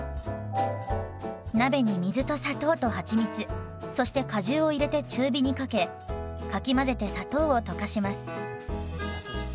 鍋に水と砂糖とはちみつそして果汁を入れて中火にかけかき混ぜて砂糖を溶かします。